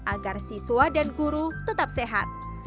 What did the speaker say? agar siswa dan guru tetap sehat